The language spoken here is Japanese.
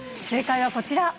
正解はこちら。